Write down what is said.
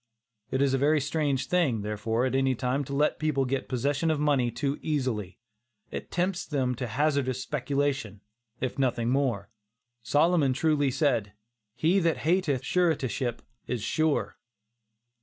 It is a very dangerous thing, therefore, at any time, to let people get possession of money too easily; it tempts them to hazardous speculations, if nothing more. Solomon truly said "he that hateth suretiship is sure."